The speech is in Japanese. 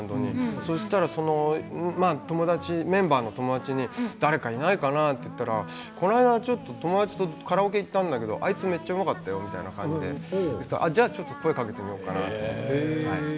そうしたらメンバーの友達に誰かいないかな？と言ったらこの間、ちょっと友達とカラオケに行ったらあいつめっちゃうまかったよみたいな感じでじゃあちょっと声をかけてみようかなって。